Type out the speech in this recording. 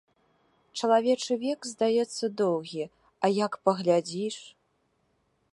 Чалавечы век, здаецца, доўгі, а як паглядзіш!